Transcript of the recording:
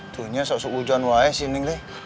tuhnya seusah ujian waae si neng neng